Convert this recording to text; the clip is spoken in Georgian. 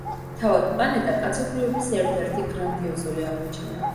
თავად პლანეტა კაცობრიობის ერთ-ერთი გრანდიოზული აღმოჩენაა.